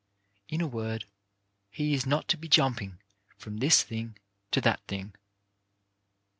In a word he is not to be jumping from this thing to that thing.